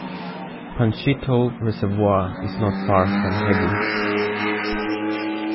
Panshitou reservoir is not far from Hebi.